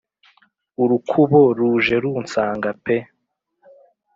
urukubo ruje runsanga pe